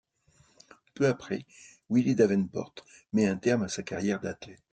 Peu après, Willie Davenport met un terme à sa carrière d'athlète.